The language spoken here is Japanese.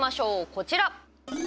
こちら。